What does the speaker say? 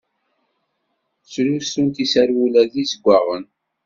Ttlussunt iserwula d izeggaɣen.